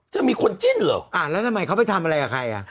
จะมีคนจิ้นเหรออ่านแล้วทำไมเขาไปทำอะไรกับใครอ่ะ